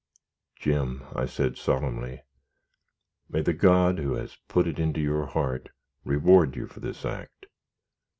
"Jim," said I, solemnly, "may the God who has put it into your heart, reward you for this act.